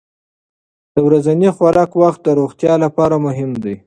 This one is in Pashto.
د ورځني خوراک وخت د روغتیا لپاره مهم دی.